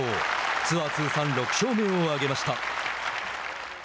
ツアー通算６勝目を挙げました。